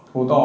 vô to lắm